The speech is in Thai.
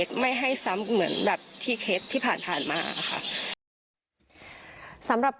พี่น้องวาหรือว่าน้องวาหรือ